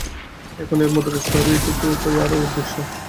এখন এর মধ্যে বুঝতে হবে এইটুকু যে, উপায় আর উদ্দেশ্য।